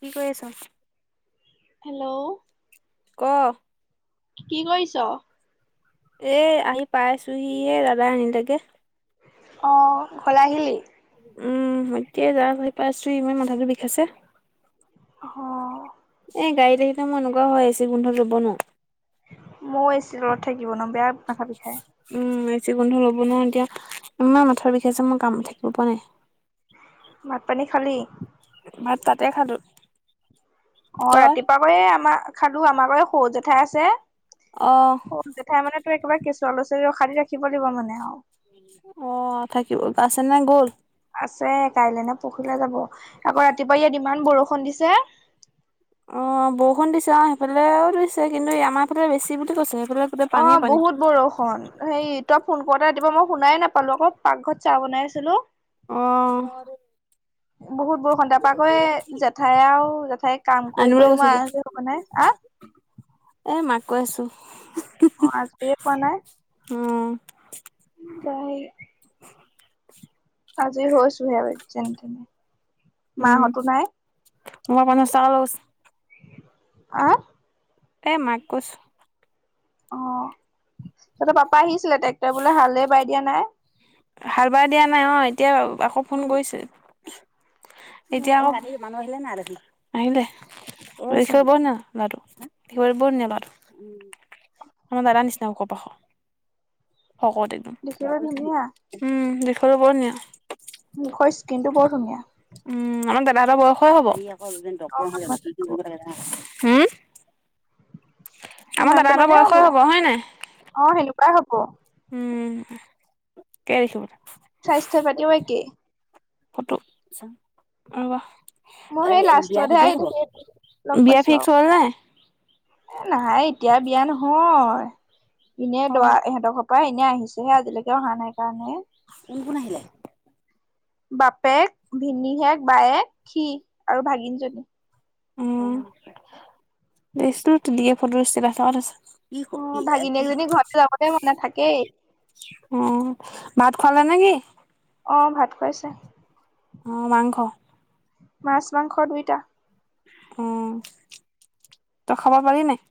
কি কৰি আছ? হেল্ল'? ক। কি কৰিছ? এ আহি পাই আছোহিহে, দাদাই আনিলেগে। অঁ ঘৰলে আহিলি? উম এতিয়াই যা পাইছো ইমান মাথাটো বিষাইছে। অ'। এ গাড়ীত আহলে মই এনেকুৱা হয়, এচি গোন্ধত লব নোৱাৰো। মইয়ো এচি তলত থাকিব নোৱাৰো, বেয়া মাথা বিষায়। উম এচি গোন্ধ ল'ব নোৱাৰো, এতিয়া ইমান মাথৰ বিষাইছে মই কামত থাকিব পৰা নাই। ভাত পানী খালী? ভাত তাতে খালো। অ' তই ৰাতিপুৱা গৈয়ে আমাৰ খালো, আমাৰ বাৰু সৰুজেঠাই আছে। অ'। সৰু জেঠাই মানে তই একেবাৰে কেঁচুৱা ল'ৰা ছোৱালী ৰখাদি ৰাখিব লাগিব মানে আৰু। অ' থাকিব আছে নে গ'ল? আছে কাইলে নে পৰহিলে যাব, আকৌ ৰাতিপুৱা ইয়াত ইমান বৰষুণ দিছে। অ' বৰষুণ দিছে অ' সেইফালেও দিছে, কিন্তু আমাৰ এইফালে বেছি বুলি কৈছে। সেইফালে গোটেই পানীয়ে অ' পানী বহুত বৰষুণ হেৰিত তই ফোন কৰোতে ৰাতিপুৱা মই শুনাই নাপালো আকৌ, পাক ঘৰত চাহ বনাই আছিলো। অ'। বহুত বৰষুন, তাৰপৰা আকৌ এই জেঠাই আৰু জেঠাই কাম কৰি আনিবলৈ কৰি গৈছে মই এতিয়া আজৰি হ'ব নাই আ এ মাক কৈ আছো। অ' আজৰি পোৱা নাই উম [unintelligible] আজৰি হৈছোহে যেনে তেনে। উম, মাহঁতো নাই মই পঞ্চাশ টকা লৈ গৈছো। অ'। এই মাক কৈছোঁ। অ' তঁহতৰ পাপা আহিছিলে ট্ৰেক্টৰে বোলে হালেই বাই দিয়া নাই। হাল বাই দিয়া নাই, অ' এতিয়া আকৌ ফোন কৰিছে। এতিয়া অ আকৌ আহিলে [unintelligible] আমাৰ দাদাৰ নিচিনা ওখ-পাখ। শকত একদম দেখিবলৈ ধুনীয়া উম, [unintelligible] মুখৰ স্কিন টো বৰ ধুনীয়া। উম, আমাৰ দাদা এটা বয়সৰে হ'ব, আকৌ ডক্টৰ জানো হম। [unintelligible] আমাৰ সিমানটো দাদাহঁতৰ মানে হ'ব, বয়সৰে হয় নাই অ', সেনেকুৱাই হ'ব। উম, [unintelligible] স্বাস্থ্য পাতিও একেই। ফটো [unintelligible] মোৰ এ, সেই বিয়া লাষ্টতহে কেতিয়া আহি হ'ব, লগ বিয়া পাইছো ফিক্স আৰু হ'ল নাই। এ, নাই এতিয়া বিয়া নহয়, এনে অ দৰা ইহঁতৰ ত', এনেই আহিছেহে আজিলৈকে অহা নাই কাৰণে। কোন, কোন আহিলে? বাপেক, ভিনীহেক, বায়েক, সি আৰু ভাগিনজনী। উম, [unintelligible] কি অ' কি ভাগিনীয়েকজনী ঘৰতে যাবলে মন থাকেই। অ', ভাত খুৱালে নে কি? অ', ভাত খুৱাইছে। অ' মাংস? মাছ, মাংস দুইটা। উম, তই খবৰ পালি নাই।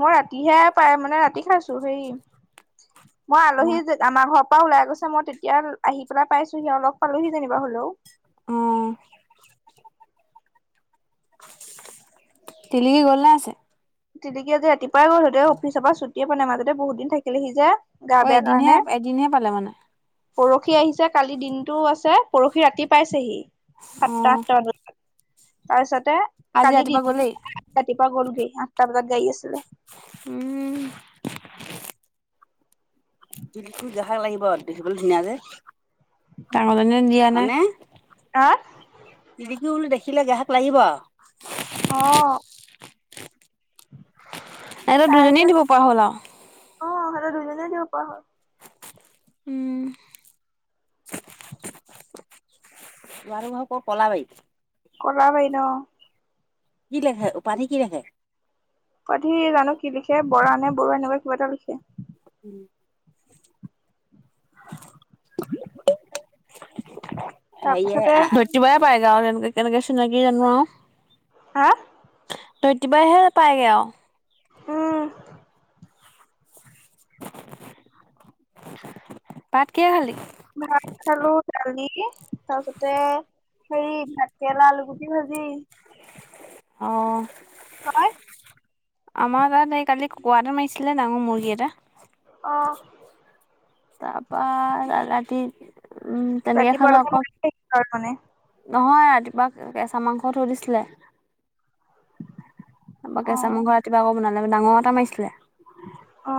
মই ৰাতিহে পাই, মানে ৰাতি খাইছোঁ হেৰি, মই আলহী আমাৰ ঘৰ পৰা ওলাই গৈছে, মই তেতিয়া আহি পেলাই পাইছোঁহি, অ' লগ পালোহি যেনিবা হ'লেও। অ'। তেলিকি গ'ল নে আছে? তিতিকি আজি ৰাতিপুৱাই গ'ল, সেইটোৱে অফিৰ পৰা ছুটিয়ে পোৱা নাই, মাজতে বহুত দিন থাকিলে যে। গা অ', বেয়া এদিনহে কাৰণে। এদিনহে পালে মানে পৰহি আহিছে, কালি দিনটোও আছে, পৰহি ৰাতি পাইছেহি, সাতটা অ', আঠটা বজাত। তাৰপিছতে, আজি কালি ৰাতিপুৱা গ'লেই ৰাতিপুৱা গ'লগৈ আঠটা বজাত গাড়ী আছিলে। উম। [unintelligible] জখা লাগিব দেখিবলৈ ধুনীয়া যে, ডাঙৰ দিয়া নাই, হয় নে। [unintelligible] হা? ৰিকি বুলি দেখিলে গ্ৰাহক লাগিব আৰু। অ'। এইটো তাইক দুজনীয়ে দিব পৰা হ'ল আৰু। অ' সিহঁতৰ দুইজনীয়েই দিব পৰা হ'ল। উম। [unintelligible] ঘৰ ক'ত ক'লাবাৰী। কলা বাৰীত অ'। কি লিখে উপাধি কি লিখে? জানো কি লিখে, বৰা নে বৰুৱা এনেকুৱা কিবা এটা লিখে। উম। [inaudible] সেয়ে, তাৰপিছতে সতিব পায়গা [unintelligible] তেনেকে কেনেকে চিনাকি জানো আৰু। হা? ধৰিত্ৰী বাইহে পাইগে আৰু। উম। ভাত কিহে খালি? ভাত খালোঁ দালি তাৰপিছতে। হেৰি ভাত কেৰেলা আলুগুটি ভাজি। অ আমাৰ হয় [unintelligible] কালি। [unintelligible] মাৰিছিলে ডাঙৰ মুৰ্গী এটা। অ। তাৰপৰা ৰাতি উম। তেনেকে ৰাতিপুৱা খালো আকৌ লৈকে [unintelligible] মানে। নহয় ৰাতিপুৱা কেঁচা মাংস থৈ দিছিলে। তাৰপৰা অ কেঁচা মাংস ৰাতিপুৱা আকৌ বনালে ডাঙৰ এটা মাৰিছিলে। অ।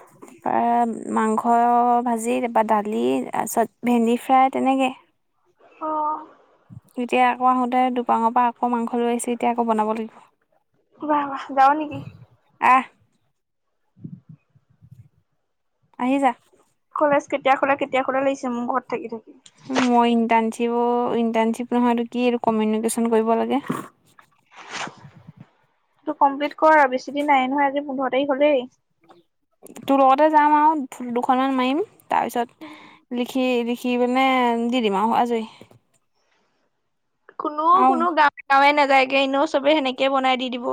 [inaudible] তাৰ মাংস ভাজি তাৰপৰা দালি তাৰপিছত ভেন্দী ফ্ৰাই তেনেকে। অ। [unintelligible] আকৌ আহোঁতে দোকানৰ পৰা আকৌ মাংস লৈ আহিছে এতিয়া আকৌ বনাব লাগিব। বাহ, বাহ যাওঁ নেকি। আহ। আহি যা। কলেজ কেতিয়া খোলো কেতিয়া খোলো লাগিছে মোৰ ঘৰত থাকি, থাকি। মই ইণ্টাৰ্ণশ্বিপো, ইণ্টাৰ্ণশ্বিপ নহয় এইটো কি কমিনিকুউছন কৰিব লাগে। তই কমপ্লিট কৰ বেছি দিন নাইয়ে নহয় আজি পোন্ধৰ তাৰিখ হ'লেই। তোৰ লগতে যাম আৰু দুখনমান মাৰিম তাৰপিছত। [unintelligible] লিখি, লিখি পিনে দি দিম আৰু আজৰি। কোনো, আৰু কোনো গাঁৱে গাঁৱে নাযায়গে এনেও চবে সেনেকে বনাই দি দিব।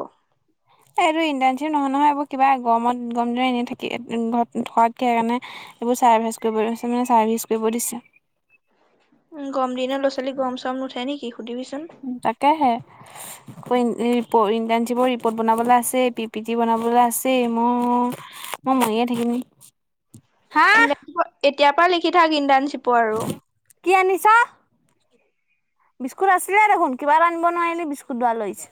এইটো ইণ্টাৰ্ণশ্বিপ নহয়, নহয় এইবোৰ কিবা গৰমত গম দিনত এনেই থাকি। [unintelligible] এইবোৰ চাৰ্ভিচ কৰিব দিছে [unintelligible] চাৰ্ভিছ কৰিব দিছে। গৰম দিনত ল'ৰা ছোৱালীৰ গৰম চৰম নুঠে নেকি সুধিবিচোন। তাকেহে। [unintelligible] ইণ্টাৰ্ণশ্বিপৰ ৰিপৰ্ট বনাবলৈ আছে পি পি টি বনাবলৈ আছে মোৰ। মই মৰিয়ে থাকিম নেকি হা। এতিয়াৰ পৰা লিখি থাক ইণ্টাৰ্ণশ্বিপৰ আৰু। কি আনিছা। বিস্কুট আছিলে দেখোন কিবা এটা আনিব নোৱাৰিলি বিস্কুট [unintelligible] লৈ আহিছে।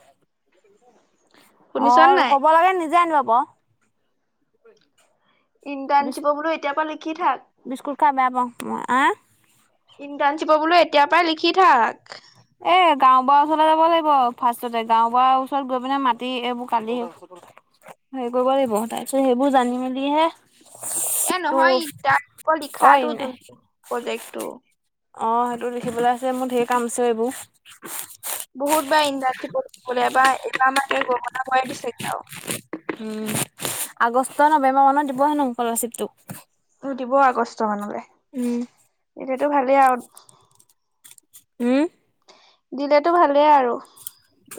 অ শুনিছ নাই ক'ব লাগে নিজে আনিব ক'। ইণ্টাৰ্ণশ্বিপৰ বোলো এতিয়াৰ পৰা লিখি থাক। বিস্কুট খাই বেয়া পাওঁ মই আ। ইণ্টাৰ্ণশ্বিপৰ বোলো এতিয়াৰ পৰাই লিখি থাক। এ গাঁও বুঢ়াৰ ওচৰলৈ যাব লাগিব ফাৰ্ষ্টতে গাঁও বুঢ়াৰ ওচৰত গৈ পিনে মাতি এইবোৰ কালি। হেৰি কৰিব লাগিব তাৰ পিছত সেইবোৰ জানি মেলিহে। এ তোৰ নহয় ইণ্টাৰ্ণ অই লিখাটো যোন প্ৰজেক্টটো। অ' সেইটো লিখিবলৈ আছে মোৰ ঢেৰ কাম আছে এইবোৰ। বহুত বাৰ ইণ্টাৰ্ণশ্বিপ [unintelligible] এইবাৰ এইবাৰ আমাকে গৰমৰ গোৱাই দিছেগে আৰু। উম আগষ্ট নৱেম্বৰ মানত দিব হেনো স্কলাৰশ্বিপটো। বোলো দিব আগষ্ট মানলৈ উম এতিয়াতো ভালেই আৰু। উম। দিলেতো ভালে আৰু।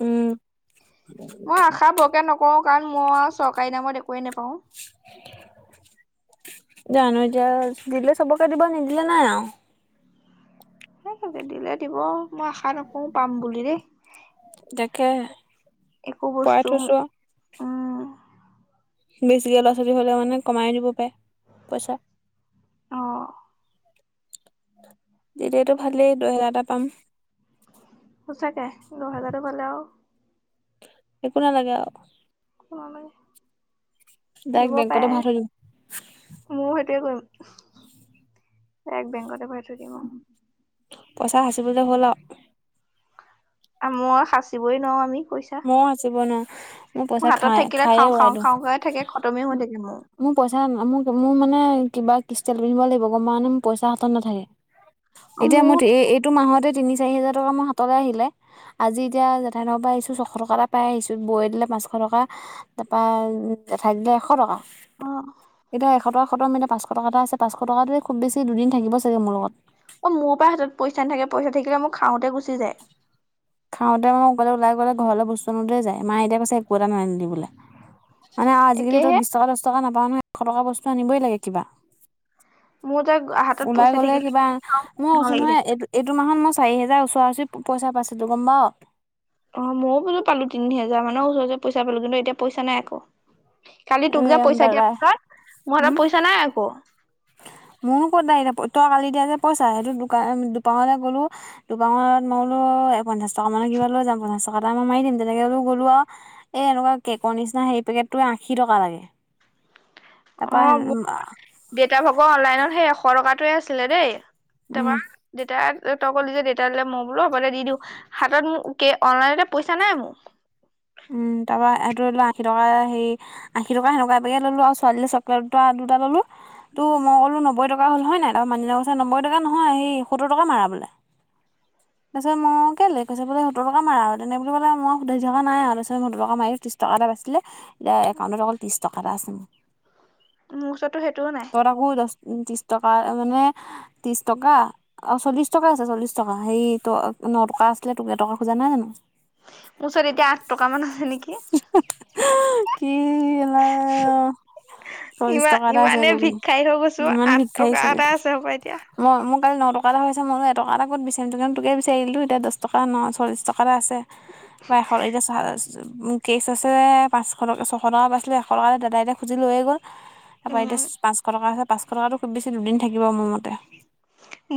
উম। মই আশা বোৰকে নকৰোঁ কাৰণ মই আৰু চৰকাৰী নামত একোৱে নেপাওঁ। জানোঁ এতিয়া দিলে চবকে দিব নিদিলে নাই আৰু। [unintelligible] দিলে দিব মই আশা নকৰোঁ পাম বুলি দেই। তাকে একো পৰাই বস্তু থৈছো উম বেছিকে ল'ৰা ছোৱালী হলেও মানে কমাই নিব পাৰে পইচা অ'। যেতিয়াতো ভালেই দহেজাৰ এটা পাম সঁচাকৈ দহ হেজাৰটো পালে আৰু একো নালাগে আৰু। ডাইৰেক্ট দিব বেংকতে পাৰে। ভৰাই থৈ দিম মোৰ সেইটোৱে কৰিম বেংকতে ভৰাই থৈ দিম আও। পইচা সাচিবলৈ হ'ল আৰু আ মই সাঁচিবই নোৱাৰো আমি পইছা। মই সাচিব নোৱাৰোঁ মোৰ পইচা খাই থাকিলে খায়ে খাওঁ খাওঁ উৰাই খাওঁকে থাকে খতমেই হৈ দিও। থাকে মোৰ পইচা মোক মোৰ মানে কিবা ক্ৰীষ্টেল পিন্ধিব লাগিব গ' মানে মোৰ পইচা হাতত নাথাকে। অ এতিয়া মোৰ মোৰো টো মাহতে তি চাৰি হাজাৰ টকা মোৰ হাতলৈ আহিলে আজি এতিয়া [unintelligible] পৰা আহি পাই আহিছোঁ বৈ দিলে পাঁচশ টকা তাৰপৰা জেঠাই দিলে এশ টকা অ'। এতিয়া এশ টকা খতম এতিয়া পাচশ টকা এটা আছে পাঁচশ টকাতো খুব বেছি দুদিন থাকিব চাগে মোৰ লগত। অ', মোৰ পৰা হাতত পইচা নাথাকে পইচা থাকিলে মোক খাওঁতে গুচি যায় [inaudible] খাওঁতে মানে অকাল ওলাই গলে ঘৰলৈ বস্তু আনোতে যায় মা এতিয়া কৈছে একো এটা নানিলি বোলে মানে আজিকালি তোৰ একেহে বিশ টকা দহ টকা বস্তু নাপাওঁ নহয় এশ টকা বস্তু নিবই লাগে কিবা [unintelligible] ওলাই গ'লে থাকিলে কিবা মই খাওঁ কৈছো লাগি নহয় থাকে এই এইটো মাহত মই চাৰি হেজাৰ ওচৰা ওচৰি পইচ পাইছোঁ গ'ম পাও অ', ময়ো পালো তিনি হাজাৰ মানৰ ওচৰতে পইচা পালোঁ কিন্তু এতিয়া পইচা নাই আকৌ কালি এ তোক যে পইচা দিয়া দাদাই পাছত মোৰ হাতত পইচা নাই আকৌ মোৰো ক'তাই এতিয়া তই কালি দিয়া যে পইচা সেইটো দোকনলৈ গ'লো দোকানত মই বোলো পঞ্চাশ টকা মানে কিবা লৈ যাম পঞ্চাছ টকা টকা এটা মই মাৰি দিম তেনেকো গ'লো আৰু এনেকুৱা কেকৰ নিচিনা সেই পেকেটটো আশী টকা লাগে তাপা অ দেউতা ভাগ অনলাইনত সেই এশ টকাটোৱে আছিলে দেই উম তাপা দেউাই তই ক'লি যে দেউতাই কলে মই বোলো হবদে দি দিওঁ হাতত মোক অনলাইনতে পইচা নাই মোৰ উম তাৰপৰা এইটোৰ লোৱা আশী টকা হেৰি আশী টকা সেনেুকোৱা এপেকেট ললো আৰু ছোৱালীয়ে চকলেট দুটা ললো তো মই কলো নব্বৈ টকা হ'ল হয় নাই আৰু মানুহজনে কৈছে নব্বৈ টকা নহয় সত্তৰ টকা মাৰা বোলে তাৰপিচত মই কেলে কৈছে বোলে সতৰ টকা মাৰা আৰু তেনে বুলি বোলে মই সুধাই থকা নাই আৰু তাৰপিছত মই দুটকা মাৰি ত্ৰিছ টকা এটা পাইছিলে এতিয়া একাউণ্টত অকল ত্ৰিছ টকা এটা আছে মোৰ মোৰ ওচৰতো সেইটোও নাই অ', দহ ত্ৰিছ টকা মানে ত্ৰিশ টকা। অ', চল্লিছ টকা আছে চল্লিশ টকা সেই ন টকা আছিলে টক এটকা খোজা নাই জানো। ওচৰত এতিয়া আঠ টকা মান আছে নেকি। কি [unintelligible] [unintelligible] চল্লিশ ইমান, টকা এটা আছে ইমানে গৈ পিনে ভিক্ষাৰী থৈ গৈছো ইমান আঠ ভিক্ষাৰী টকা ছোৱালী এটা আছে হ'ব এতিয়া। মই মোৰ কাইলি ন টকা এটা হৈছে মই এটকা এটা ক'ত বিচাৰিম কিন্তু তোকে বিচাৰিলোতিয়াহ টকা ন চল্লিছ টকা আছে। [inaudible] এ এতিয়া চাহ [unintelligible] কেচ আছে পাঁচশ টকা ছশ টকা পাইছিলোঁ এশ টকা দাদাই এতিয়া খুজি লৈয়ে গ'ল। তাৰপৰা উম এতিয়া পাঁচশ টকা আছে, পাঁচশ টকাটো খুব বেছি দুদিন থাকিব মোৰ মতে।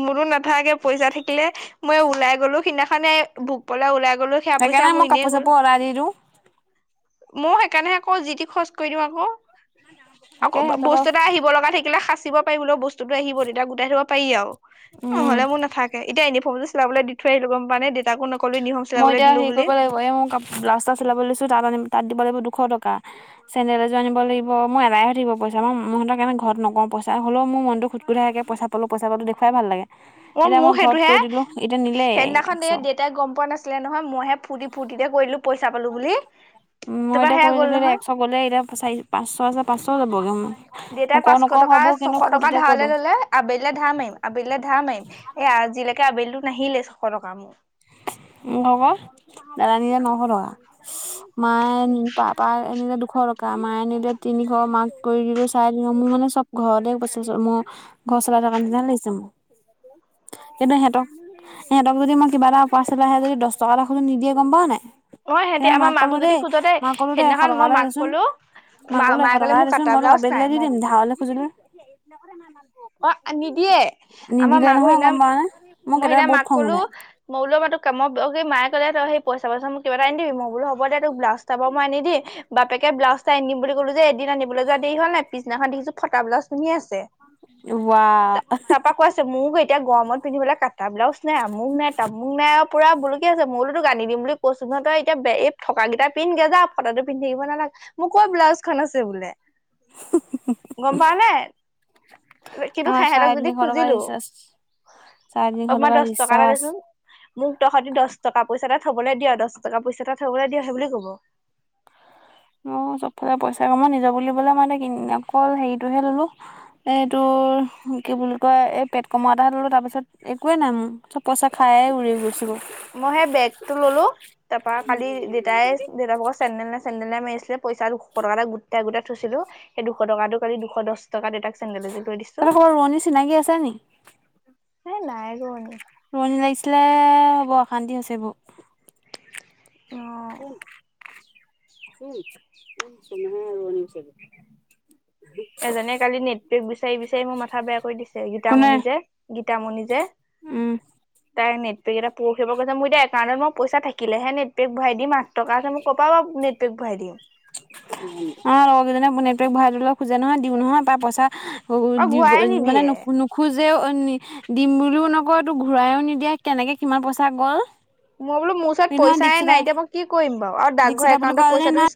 মোৰো নাথাকে, পইচা থাকিলে মই ওলাই গ'লো, সিদিনাখানে ভোক পালাই ওলাই গ'লো। সেয়া পইচা মোৰ এনেই গ'ল। খৰাৰিৰো। মই সেইকাৰণে আকৌ, যিটি খৰচ কৰি দিওঁ আকৌ। তাকে আকৌ সিহঁতৰ ব-বস্তু এটা আহিব লগা থাকিলে সাঁচিব পাৰি বোলও, বস্তুটো আহিব তেতিয়া গোটাই থ'ব পাৰি আৰু। উম নহ'লে মোৰ নাথাকে, এতিয়া ইউনিফৰ্মটো চিলাবলৈ দি থৈ আহিলোঁ, গ'ম পোৱানে দেউতাকো ন কলোঁ ইউনিফৰ্ম চিলাবলৈ দিলোঁ বুলি। অ' এ, মোৰ ব্লাউজ এটা চিলাব লৈছো তাত আ, তাত দিব লাগিব দুশ টকা চেন্দেল এযোৰ আনিব লাগিব, মই এডাই হৈ থাকিব পইচা, মই মইহতৰ কাৰণে ঘৰত নকওঁ, পইচা হ'লেও মোৰ মনটো খুটখুতাই থাকে পইচা অলপ পইচা পাতো দেখুৱাই ভাল লাগে, এতিয়া মই ঘৰত কৈ দিলোঁ, এতিয়া নিলেই এক চ। তাই গ'ম পোৱা নছিলে নহয়, মইহে ফুৰ্তি ফূ্তিতে কৰিলো পইচা পালোঁ বুলি, মই তাৰপা এতিয়া সেয়া কৈ গ'ল দিলোঁ এতিয়া নহয়। একশ গ'লে, এতিয়া চাৰি, পাঁচশ আছে পাঁচশও যাবগে মোৰ। দেউতাই নকওঁ পাঁচশ নকওঁ টকা ভাবোঁ কিন্তু ছশ টকা ফূৰ্তিতে কৈ ধাৰলৈ দিওঁ ললে আবেলৈ ধাৰ মাৰিম, আবেলি ধাৰ মাৰিম, এই আজিলৈকে আবেলিটো নাহিলে ছশটকা মোৰ। মোৰ আকৌ দাদা নিলে নশ টকা। মায়ে নি, পাপা নিলে দুশ টকা, মায়ে আনিলে তিনিশ, মাক কৰি দিলোঁ চাৰে তিনিশ, মোৰ মানে চব ঘৰতে পছি মোৰ, ঘৰ চলাই থকা নিচিনা লাগিছে মোক। কিন্তু সিহঁতক, সিহঁতক যদি মই কিবা এটা উপাৰ্চেল আহ যদি দহ টকা এটা নিদিয়ে গ'ম পাও নাই? মই সিহঁতি সিদিনা আমাৰ মাক মাকো ক'লো যদি দেই, খোজ মাক ক'লো দেই এশ সেইদিনাখন টকা মই এটা মাক দেচোন, কলো মাক মা ক'লো এশ মায়ে ক'লে টকা মোৰ দেচোন কাটা মই ব্লাউজ নাই বেদলেগে দি মোক দিম, ধাৰলে খুজিলো। অ' নিদিয়ে, আমাৰ নিদিলে মাকৰ নহয় গম সিনানা, পাৱ নে মোৰ মই কেতিয়াবা সেইদিনা বহুত মাক খং ক'লো উঠে মই বোল বাত কাম এই মায় কলে তই পইচা মোক কিবা এটা আনি দিবি, মই বুলো হ'ব দে তোক ব্লউজ চাব মই আনি দি বাপেকে ব্লাউজ এটা আনিম বুলি ক'লো যে এদিন আনিবলৈ যোৱা দেৰি হ'ল নাই, পিছদিনা দেখিছোঁ ফটা ব্লাউজ পিন্ধি আছে। ৱাহ মোৰোকো এতিয়া গৰমত পিন্ধিবলৈ কাটা ব্লাউজ নাই, আমুক নাই তামুক নাই আৰু পুৰা বোলো কি আছে মই তোক আনি দিম বুলি কৈছোঁ নহয় তই এতিয়া এই ফটাকেইটা পিন্ধগে যা, ফটা পিন্ধি থাকিব নালাগে। মোৰ ক'ত ব্লাউজখন আছে বোলে, গ'ম পোৱা নাই? [inaudible] আমাৰ চাৰে তিনিশ টকা খুজিলো ৰিচাৰ্জ, চাৰে অ তিনিশ মই টকাৰ দহ টকা এটা ৰিচাৰ্জ দেচোন মোক তহঁতি দহটকা পইচা এটা থবলৈ দিয়, দহটকা পইচা এটা থবলৈ দিয় সেইবোলি ক'ব। অ' চবফালে পইচা কামত নিজৰ বুলিবলে মই এতিয়া অকল হেৰিটোহে ল'লো। এইটোৰ কি বুলি কয়, এই পেট কমোৱা এটাহে ল'লো তাৰপিছত একোৱেই নাই মোৰ, চব পইচা খাই উৰি গৈছিলো। মই সেই বেগটো ল'লো, তাৰপৰা কালি দেউতাই দেউতাকক চেণ্ডেল নাই চেণ্ডেল নাই মাৰিছিলে, পইচা দুশটকা এটা গোটটা গোটাই থৈছিলো সেই দুশ টকাটো কালি দুশ দহ টকাত দেউতাক চেন্দেল এযোৰ লৈ দিছো তাতে তোমাৰ ৰোৱনী চিনাকি আছে নি? এ, নাই কোন এ ৰোৱনি লাগিছিলে, বৰ অশান্তি হৈছে এইবোৰ। অ চোন চোন, দুনিয়াৰ ৰুৱনি আছে এইবোৰ। এজনে কালি নেটপেক বিচাৰি বিচাৰি মোৰ মাথা বেয়া কৰি দিছে, কোনে গীতামণি যে, গীতামণি যে উম। তাইৰ নেটপেক এটা পঠিয়াব কৈছে, মোৰ এতিয়া একাউণ্টত মোৰ পইচা থাকিলেহে নেটপেক ভৰাই দিম আৰু টকা আছে মোৰ ক'ৰপৰা বা নেটপেক ভৰাই দিম? অ' লগৰ কেইজনে নেটপেক ভৰাই দিবলৈ খোজে নহয়, দিও নহয় পা পইচা ফু অ দিব ঘূৰাই মনে নিদিয়ে নুশুনো। খোজেও, দিম বুলিও নকয়, তোক ঘূৰাইও নিদিয়ে কেনেকে কিমান পইচা গ'ল। মই বোলো, মোৰ ওচৰত নহয় পইচায়ে দীক্ষিতা নাই এতিয়া মই কি কৰিম বাৰু, আৰু ডাকঘৰ দীক্ষিতা বুলি একাউণ্টত কোৱাজনী পইচাটো নাই